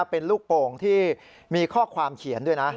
เป็นลูกโป่งที่มีข้อความเขียนด้วยนะ